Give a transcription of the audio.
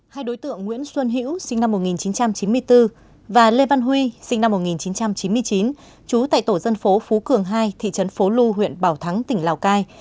hai đối tượng nguyễn xuân hữu sinh năm một nghìn chín trăm chín mươi bốn và lê văn huy sinh năm một nghìn chín trăm chín mươi chín trú tại tổ dân phố phú cường hai thị trấn phố lu huyện bảo thắng tỉnh lào cai